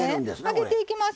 揚げていきます。